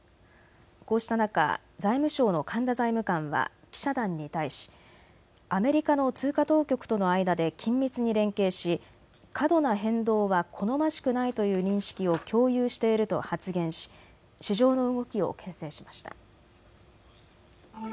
こうした中、財務省の神田財務官は記者団に対しアメリカの通貨当局との間で緊密に連携し過度な変動は好ましくないという認識を共有していると発言し市場の動きをけん制しました。